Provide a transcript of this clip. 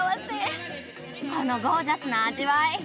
このゴージャスな味わい！